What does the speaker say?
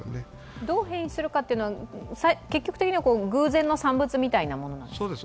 どう変異するのかは、結局的には偶然の産物みたいなものですか？